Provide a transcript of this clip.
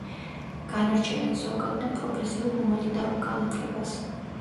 განარჩევენ ზოგად და პროფესიულ ჰუმანიტარულ განათლებას.